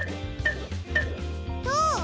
どう？